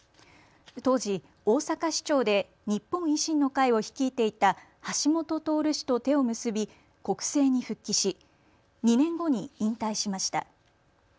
当時、大阪市長で日本維新の会を率いていた橋下徹氏と手を結び国政に復帰し２年後に引退しました。